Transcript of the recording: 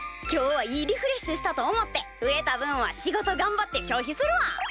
今日はいいリフレッシュしたと思って増えた分は仕事がんばって消費するわ！